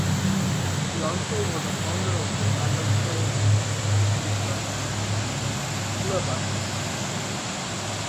He also was a founder of the Mendelsohn Glee Club.